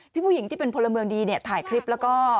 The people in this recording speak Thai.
ผู้หญิงที่เป็นพลเมืองดีถ่ายคลิปแล้วก็